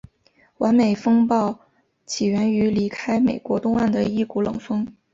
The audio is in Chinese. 完美风暴起源于离开美国东岸的一股冷锋。